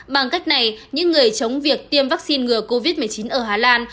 bằng cách này những người chống việc tiêm vaccine ngừa covid một mươi chín ở hà lan